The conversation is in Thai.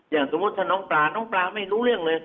อย่างสมมุติถ้าน้องปลาน้องปลาไม่รู้เรื่องเลย